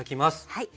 はい。